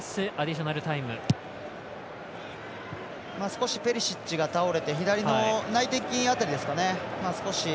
少しペリシッチが倒れて左の内転筋辺りですかね。